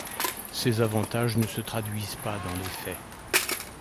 Ces avantages ne se traduisent pas dans les faits.